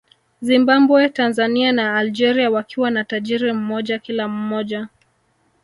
Zimbambwe Tanzania na Algeria wakiwa na tajiri mmoja kila mmoja